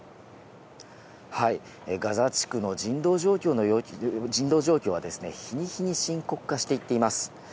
ガザ地区の人道状況は、日に日に深刻化していっています。